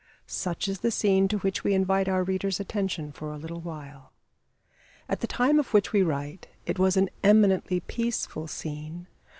Such is the scene to which we invite our reader's attention for a little while. At the time of which we write it was an eminently peaceful scene.